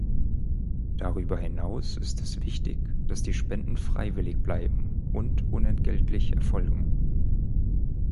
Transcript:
Darüber hinaus ist es wichtig, dass die Spenden freiwillig bleiben und unentgeltlich erfolgen.